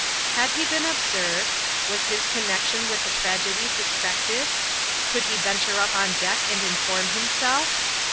Had he been observed? "Was his connec tion with the tragedy suspected? Could he venture up on deck and inform himself